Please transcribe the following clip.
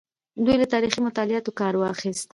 دوی له تاریخي مطالعاتو کار واخیست.